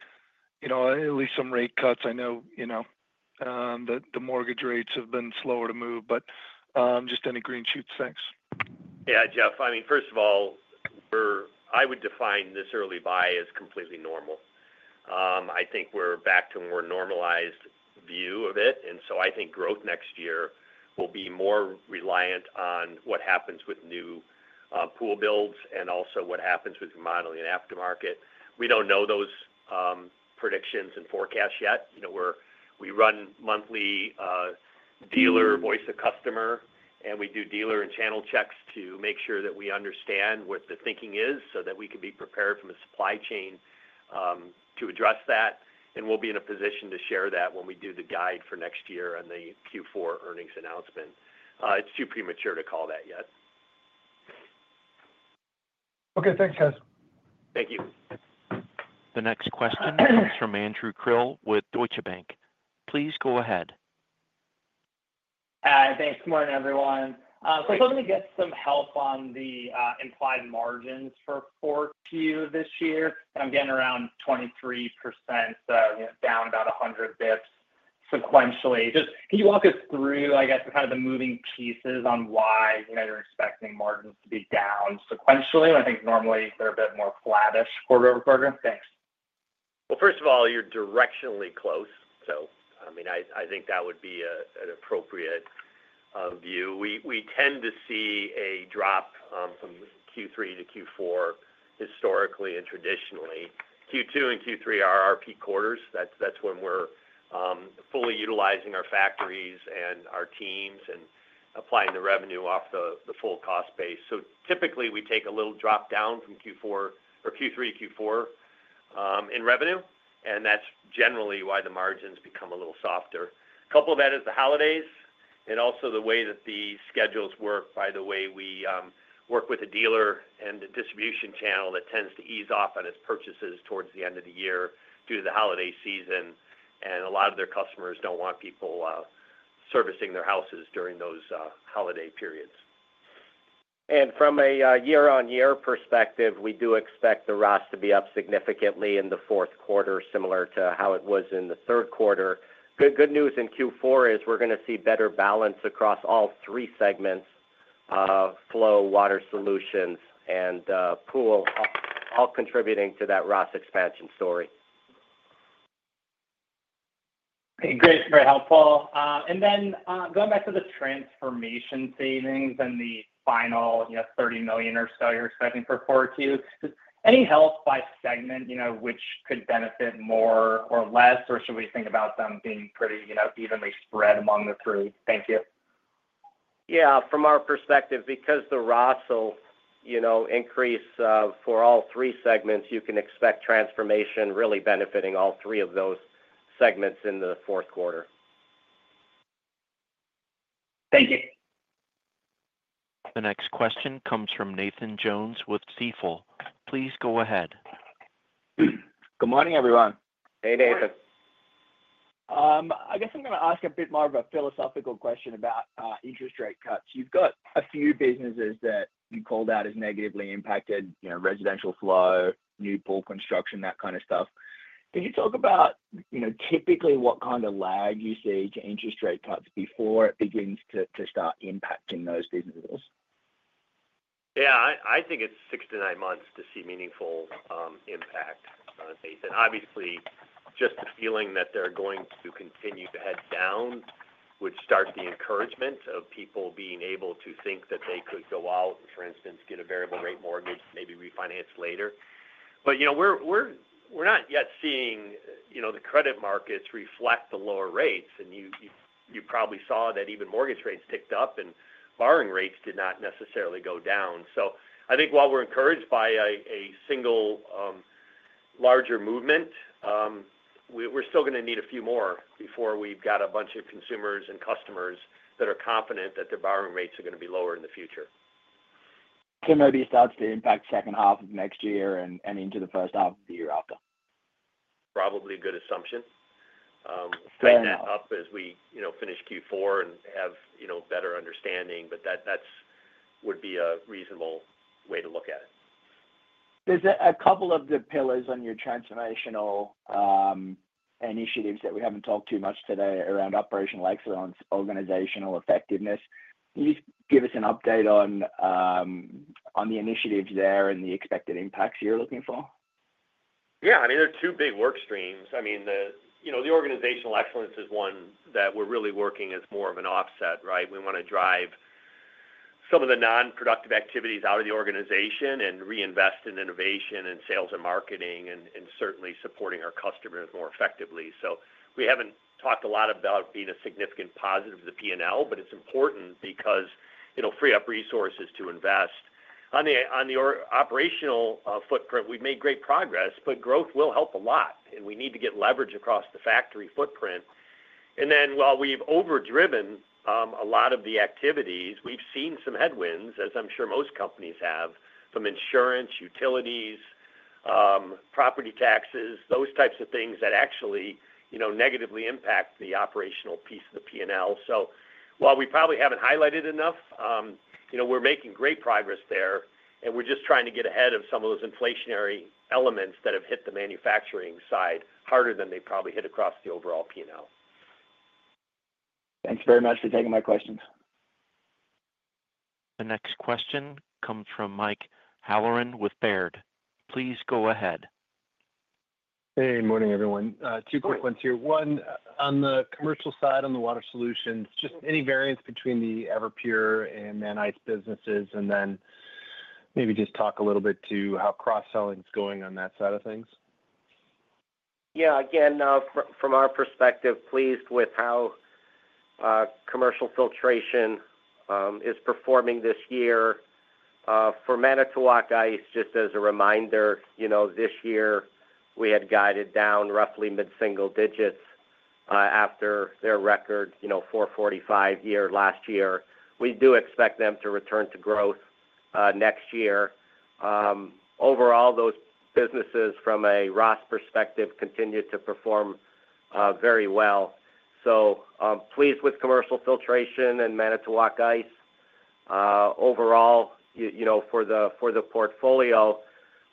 you know, at least some rate cuts? I know, you know, the mortgage rates have been slower to move, but, just any green shoots. Thanks. Yeah, Jeff. I mean, first of all, I would define this Early Buy as completely normal. I think we're back to a more normalized view of it, and so I think growth next year will be more reliant on what happens with new pool builds and also what happens with remodeling and aftermarket. We don't know those predictions and forecasts yet. You know, we run monthly dealer voice of customer, and we do dealer and channel checks to make sure that we understand what the thinking is, so that we can be prepared from a supply chain to address that, and we'll be in a position to share that when we do the guide for next year on the Q4 earnings announcement. It's too premature to call that yet. Okay. Thanks, guys. Thank you. The next question comes from Andrew Krill with Deutsche Bank. Please go ahead. Thanks. Good morning, everyone, so let me get some help on the implied margins for Q4 this year. I'm getting around 23%, so, you know, down about 100 bps sequentially. Just can you walk us through, I guess, kind of the moving pieces on why you know you're expecting margins to be down sequentially? I think normally they're a bit more flattish quarter over quarter. Thanks. Well, first of all, you're directionally close, so, I mean, I think that would be an appropriate view. We tend to see a drop from Q3 to Q4 historically and traditionally. Q2 and Q3 are our peak quarters. That's when we're fully utilizing our factories and our teams and applying the revenue off the full cost base. So typically, we take a little drop down from Q4 or Q3 to Q4 in revenue, and that's generally why the margins become a little softer. Couple of that is the holidays and also the way that the schedules work. By the way, we work with a dealer and the distribution channel that tends to ease off on its purchases towards the end of the year due to the holiday season. And a lot of their customers don't want people servicing their houses during those holiday periods. And from a year-on-year perspective, we do expect the ROS to be up significantly in the fourth quarter, similar to how it was in the third quarter. Good, good news in Q4 is we're gonna see better balance across all three segments of Flow, Water Solutions, and Pool, all contributing to that ROS expansion story. Great. Very helpful. And then, going back to the transformation savings and the final, you know, $30 million or so you're expecting for 4Q, just any help by segment, you know, which could benefit more or less, or should we think about them being pretty, you know, evenly spread among the three? Thank you. Yeah, from our perspective, because the ROS will, you know, increase for all three segments, you can expect transformation really benefiting all three of those segments in the fourth quarter. Thank you. The next question comes from Nathan Jones with Stifel. Please go ahead. Good morning, everyone. Hey, Nathan. I guess I'm gonna ask a bit more of a philosophical question about interest rate cuts. You've got a few businesses that you called out as negatively impacted, you know, Residential Flow, new pool construction, that kind of stuff. Can you talk about, you know, typically what kind of lag you see to interest rate cuts before it begins to start impacting those businesses? Yeah, I think it's six to nine months to see meaningful impact, Nathan. Obviously, just the feeling that they're going to continue to head down, which starts the encouragement of people being able to think that they could go out, for instance, get a variable rate mortgage, maybe refinance later. But, you know, we're not yet seeing, you know, the credit markets reflect the lower rates. And you probably saw that even mortgage rates ticked up, and borrowing rates did not necessarily go down. So I think while we're encouraged by a single larger movement, we're still gonna need a few more before we've got a bunch of consumers and customers that are confident that their borrowing rates are gonna be lower in the future. Maybe it starts to impact second half of next year and into the first half of the year after? Probably a good assumption. Fair enough. Clean that up as we, you know, finish Q4 and have, you know, better understanding, but that would be a reasonable way to look at it. There's a couple of the pillars on your transformational initiatives that we haven't talked too much today around operational excellence, organizational effectiveness. Can you just give us an update on the initiatives there and the expected impacts you're looking for? Yeah, I mean, there are two big work streams. I mean, the, you know, the organizational excellence is one that we're really working as more of an offset, right? We wanna drive some of the non-productive activities out of the organization and reinvest in innovation and sales and marketing, and certainly supporting our customers more effectively. So we haven't talked a lot about being a significant positive of the P&L, but it's important because it'll free up resources to invest. On the operational footprint, we've made great progress, but growth will help a lot, and we need to get leverage across the factory footprint. And then while we've overdriven a lot of the activities, we've seen some headwinds, as I'm sure most companies have, from insurance, utilities, property taxes, those types of things that actually, you know, negatively impact the operational piece of the P&L. So while we probably haven't highlighted enough, you know, we're making great progress there, and we're just trying to get ahead of some of those inflationary elements that have hit the manufacturing side harder than they probably hit across the overall P&L. Thanks very much for taking my questions. The next question comes from Mike Halloran with Baird. Please go ahead. Hey, good morning, everyone. Two. Good morning. Quick ones here. One, on the commercial side, on the water solutions, just any variance between the Everpure and the Ice businesses? And then maybe just talk a little bit to how cross-selling is going on that side of things. Yeah, again, from our perspective, pleased with how Commercial Filtration is performing this year. For Manitowoc Ice, just as a reminder, you know, this year we had guided down roughly mid-single digits after their record $445 million year last year. We do expect them to return to growth next year. Overall, those businesses, from a ROS perspective, continue to perform very well. So, pleased with Commercial Filtration and Manitowoc Ice. Overall, you know, for the portfolio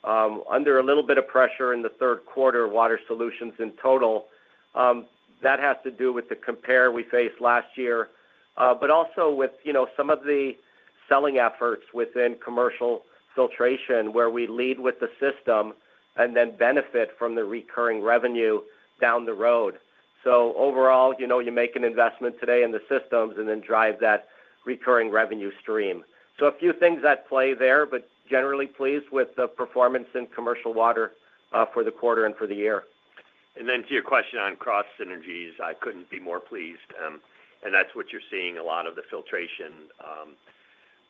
under a little bit of pressure in the third quarter, water solutions in total. That has to do with the compare we faced last year, but also with, you know, some of the selling efforts within Commercial Filtration, where we lead with the system and then benefit from the recurring revenue down the road. So overall, you know, you make an investment today in the systems and then drive that recurring revenue stream. So a few things at play there, but generally pleased with the performance in Commercial Water for the quarter and for the year. And then to your question on cross synergies, I couldn't be more pleased. And that's what you're seeing. A lot of the filtration,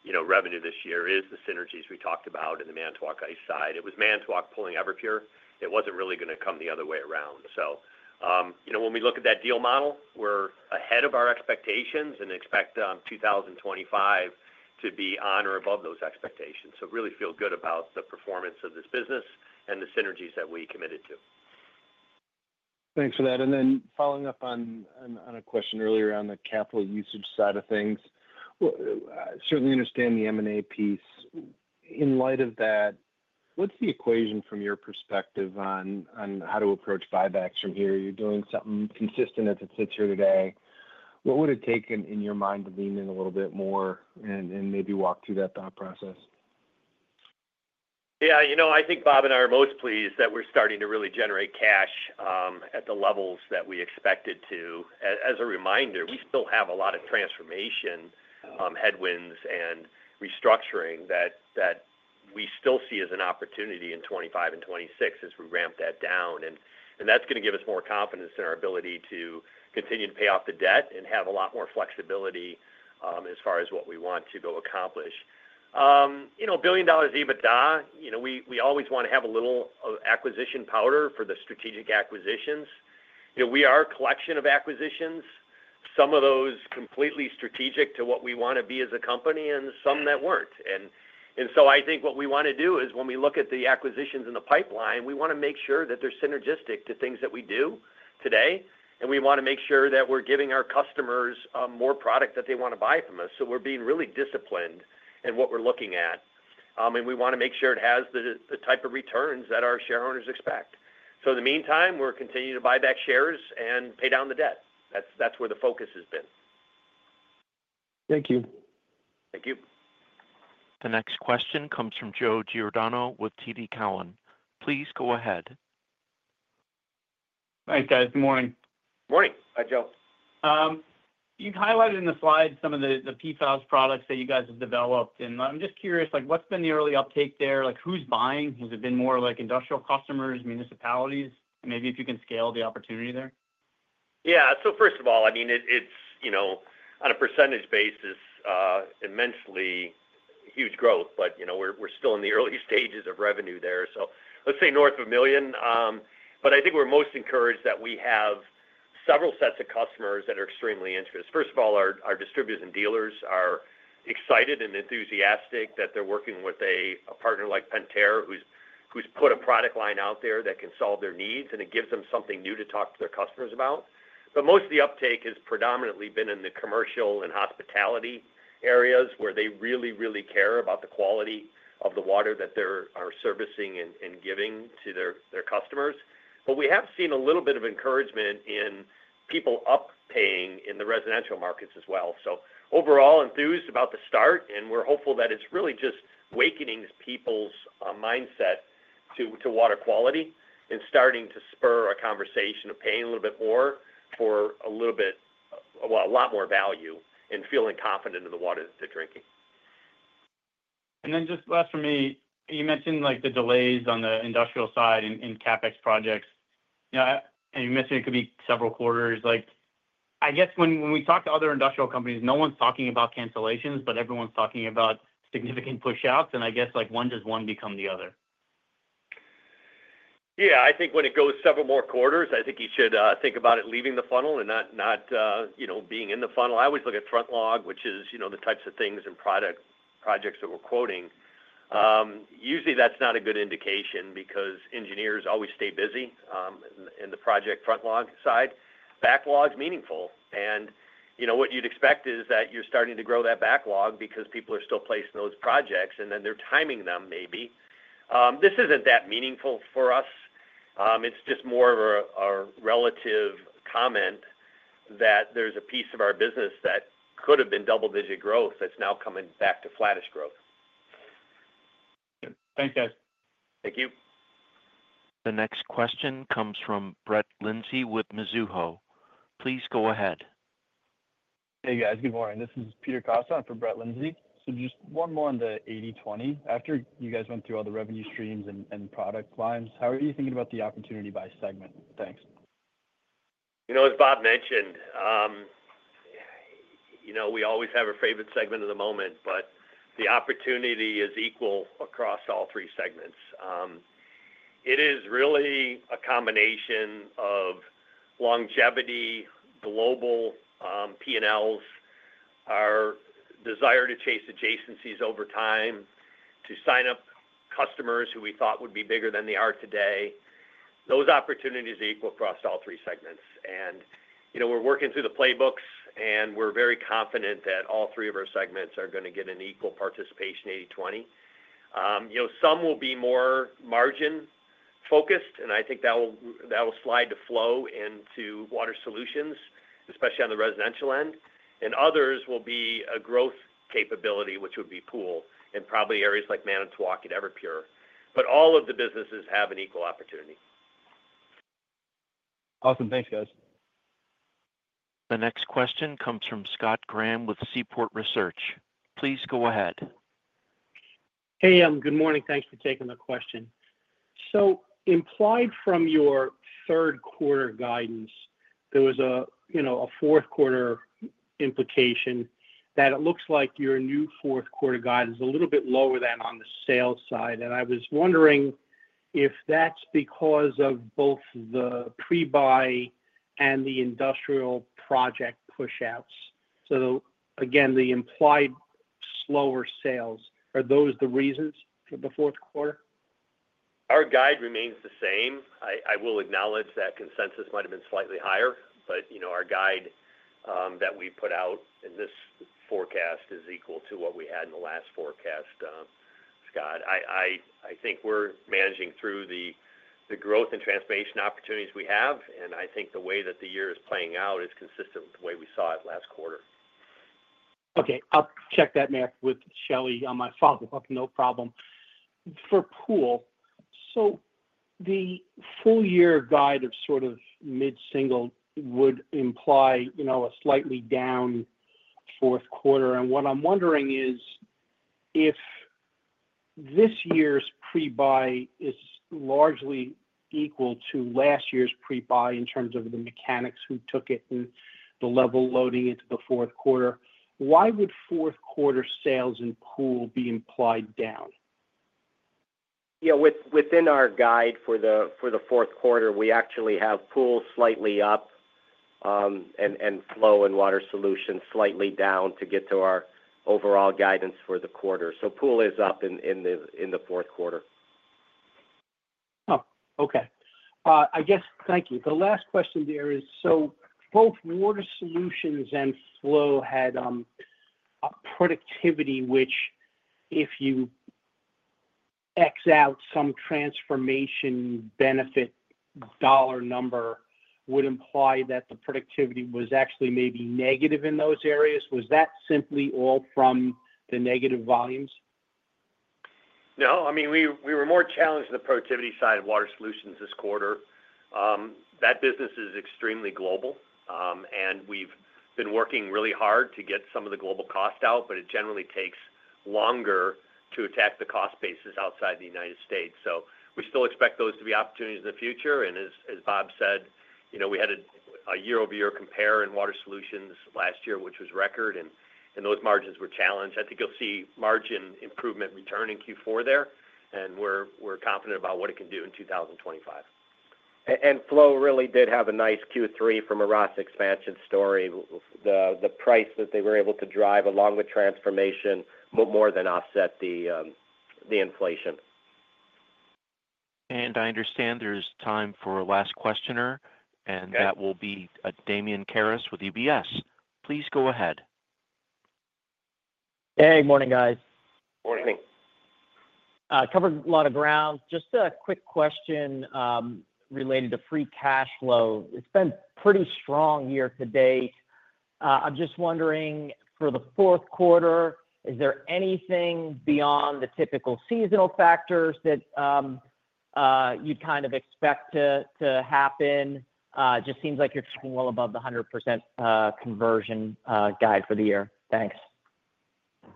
you know, revenue this year is the synergies we talked about in the Manitowoc Ice side. It was Manitowoc pulling Everpure. It wasn't really gonna come the other way around. So, you know, when we look at that deal model, we're ahead of our expectations and expect 2025 to be on or above those expectations. So really feel good about the performance of this business and the synergies that we committed to. Thanks for that. And then following up on a question earlier on the capital usage side of things. I certainly understand the M&A piece. In light of that, what's the equation from your perspective on how to approach buybacks from here? You're doing something consistent as it sits here today. What would it take in your mind to lean in a little bit more and maybe walk through that thought process? Yeah, you know, I think Bob and I are most pleased that we're starting to really generate cash at the levels that we expected to. As a reminder, we still have a lot of transformation headwinds and restructuring that we still see as an opportunity in 2025 and 2026 as we ramp that down. And that's gonna give us more confidence in our ability to continue to pay off the debt and have a lot more flexibility as far as what we want to go accomplish. You know, $1 billion EBITDA, you know, we always wanna have a little acquisition powder for the strategic acquisitions. You know, we are a collection of acquisitions, some of those completely strategic to what we wanna be as a company, and some that weren't. And so I think what we wanna do is when we look at the acquisitions in the pipeline, we wanna make sure that they're synergistic to things that we do today, and we wanna make sure that we're giving our customers more product that they wanna buy from us. So we're being really disciplined in what we're looking at, and we wanna make sure it has the type of returns that our shareholders expect. So in the meantime, we're continuing to buy back shares and pay down the debt. That's where the focus has been. Thank you. Thank you. The next question comes from Joe Giordano with TD Cowen. Please go ahead. Thanks, guys. Good morning. Morning. Hi, Joe. You highlighted in the slide some of the PFAS products that you guys have developed, and I'm just curious, like, what's been the early uptake there? Like, who's buying? Has it been more like industrial customers, municipalities? And maybe if you can scale the opportunity there? Yeah. So first of all, I mean, it's, you know, on a percentage basis, immensely huge growth, but, you know, we're still in the early stages of revenue there, so let's say north of $1 million. But I think we're most encouraged that we have several sets of customers that are extremely interested. First of all, our distributors and dealers are excited and enthusiastic that they're working with a partner like Pentair, who's put a product line out there that can solve their needs, and it gives them something new to talk to their customers about. But most of the uptake has predominantly been in the commercial and hospitality areas, where they really care about the quality of the water that they're servicing and giving to their customers. We have seen a little bit of encouragement in people paying up in the residential markets as well. Overall, we are enthused about the start, and we are hopeful that it is really just awakening people's mindset to water quality and starting to spur a conversation of paying a little bit more for a little bit, well, a lot more value and feeling confident in the water that they are drinking. And then just last from me, you mentioned, like, the delays on the industrial side in CapEx projects. Yeah, and you mentioned it could be several quarters. Like, I guess when we talk to other industrial companies, no one's talking about cancellations, but everyone's talking about significant pushouts. And I guess, like, when does one become the other? Yeah. I think when it goes several more quarters, I think you should think about it leaving the funnel and not, you know, being in the funnel. I always look at frontlog, which is, you know, the types of things and projects that we're quoting. Usually that's not a good indication because engineers always stay busy in the project frontlog side. Backlog's meaningful, and, you know, what you'd expect is that you're starting to grow that backlog because people are still placing those projects, and then they're timing them, maybe. This isn't that meaningful for us. It's just more of a relative comment that there's a piece of our business that could have been double-digit growth that's now coming back to flattish growth. Thanks, guys. Thank you. The next question comes from Brett Linzey with Mizuho. Please go ahead. Hey, guys. Good morning. This is Peter Costa for Brett Linzey. So just one more on the 80/20. After you guys went through all the revenue streams and product lines, how are you thinking about the opportunity by segment? Thanks. You know, as Bob mentioned, you know, we always have a favorite segment of the moment, but the opportunity is equal across all three segments. It is really a combination of longevity, global, P&Ls, our desire to chase adjacencies over time, to sign up customers who we thought would be bigger than they are today. Those opportunities are equal across all three segments. And, you know, we're working through the playbooks, and we're very confident that all three of our segments are gonna get an equal participation, 80/20. You know, some will be more margin-focused, and I think that will slide to Flow into Water Solutions, especially on the residential end. And others will be a growth capability, which would be Pool, in probably areas like Manitowoc and Everpure. But all of the businesses have an equal opportunity. Awesome. Thanks, guys. The next question comes from Scott Graham with Seaport Research. Please go ahead. Hey, good morning. Thanks for taking the question. So implied from your third quarter guidance, there was a, you know, a fourth quarter implication that it looks like your new fourth quarter guide is a little bit lower than on the sales side. And I was wondering if that's because of both the pre-buy and the industrial project pushouts. So again, the implied slower sales, are those the reasons for the fourth quarter? Our guide remains the same. I will acknowledge that consensus might have been slightly higher, but, you know, our guide that we put out in this forecast is equal to what we had in the last forecast, Scott. I think we're managing through the growth and transformation opportunities we have, and I think the way that the year is playing out is consistent with the way we saw it last quarter. Okay. I'll check that math with Shelly on my follow-up. No problem. For Pool, so the full year guide of sort of mid-single would imply, you know, a slightly down fourth quarter. And what I'm wondering is, if this year's pre-buy is largely equal to last year's pre-buy in terms of the mechanics who took it and the level loading into the fourth quarter, why would fourth quarter sales and Pool be implied down? Yeah, within our guide for the fourth quarter, we actually have Pool slightly up, and Flow and Water Solutions slightly down to get to our overall guidance for the quarter, so Pool is up in the fourth quarter. Oh, okay. I guess. Thank you. The last question there is, so both Water Solutions and Flow had a productivity, which if you X out some transformation benefit dollar number, would imply that the productivity was actually maybe negative in those areas. Was that simply all from the negative volumes? No. I mean, we were more challenged in the productivity side of Water Solutions this quarter. That business is extremely global, and we've been working really hard to get some of the global cost out, but it generally takes longer to attack the cost bases outside the United States. So we still expect those to be opportunities in the future, and as Bob said, you know, we had a year-over-year compare in Water Solutions last year, which was record, and those margins were challenged. I think you'll see margin improvement return in Q4 there, and we're confident about what it can do in 2025. Flow really did have a nice Q3 from a ROS expansion story. The price that they were able to drive along with transformation more than offset the inflation. And I understand there's time for a last questioner, and. Okay That will be, Damian Karas with UBS. Please go ahead. Hey, morning, guys. Morning. Covered a lot of ground. Just a quick question related to free cash flow. It's been pretty strong year to date. I'm just wondering, for the fourth quarter, is there anything beyond the typical seasonal factors that you'd kind of expect to happen? Just seems like you're well above the 100% conversion guide for the year. Thanks.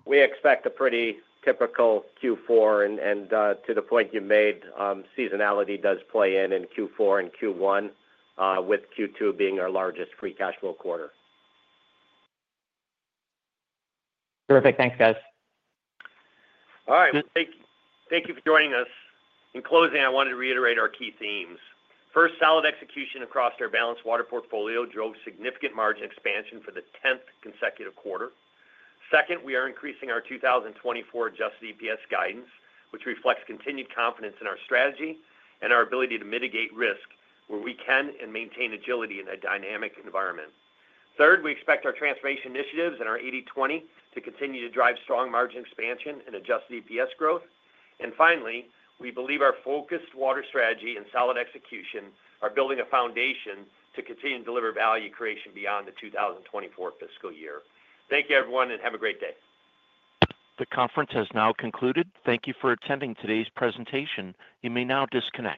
We expect a pretty typical Q4, and to the point you made, seasonality does play in Q4 and Q1, with Q2 being our largest free cash flow quarter. Terrific. Thanks, guys. All right. Thank you for joining us. In closing, I wanted to reiterate our key themes. First, solid execution across our balanced water portfolio drove significant margin expansion for the tenth consecutive quarter. Second, we are increasing our 2024 adjusted EPS guidance, which reflects continued confidence in our strategy and our ability to mitigate risk where we can and maintain agility in a dynamic environment. Third, we expect our transformation initiatives and our 80/20 to continue to drive strong margin expansion and adjusted EPS growth. And finally, we believe our focused water strategy and solid execution are building a foundation to continue to deliver value creation beyond the 2025 fiscal year. Thank you, everyone, and have a great day. The conference has now concluded. Thank you for attending today's presentation. You may now disconnect.